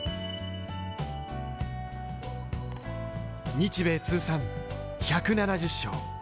日米通算１７０勝。